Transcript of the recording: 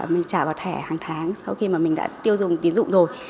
mình trả vào thẻ hàng tháng sau khi mà mình đã tiêu dùng tín dụng rồi